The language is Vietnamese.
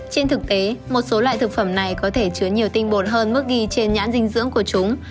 trên thực tế một số loại thực phẩm này có thể chứa nhiều tinh bột hơn mức ghi trên nhãn dinh dưỡng của chúng